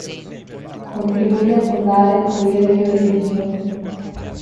Contribuì a fondare "Il Corriere Fiorentino".